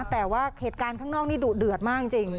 แต่ว่าเหตุการณ์ข้างนอกนี่ดุเดือดมากจริง